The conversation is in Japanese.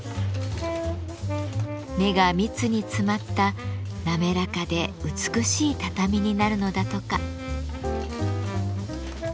目が密に詰まった滑らかで美しい畳になるのだとか。